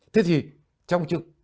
thế thì trong trực